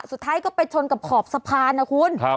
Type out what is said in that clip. สุดท้ายก็ไปชนกับขอบสะพานนะคุณ